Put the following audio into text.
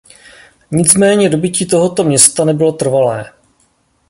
Nicméně dobytí tohoto města nebylo trvalé.